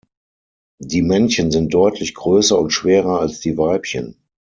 Die Männchen sind deutlich größer und schwerer als die Weibchen.